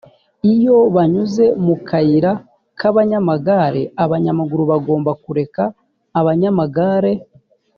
iyo banyuze mu kayira k abanyamagare abanyamaguru bagomba kureka abanyamagare